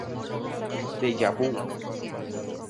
Deja Vu